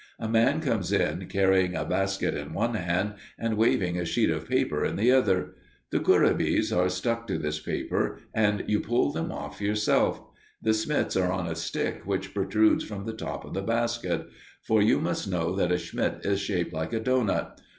A man comes in, carrying a basket in one hand and waving a sheet of paper in the other. The courabiés are stuck to this paper and you pull them off yourself. The smits are on a stick which protrudes from the top of the basket. For you must know that a smit is shaped like a doughnut.